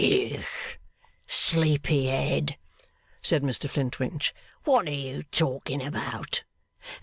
'Yoogh! Sleepy Head!' said Mr Flintwinch, 'what are you talking about?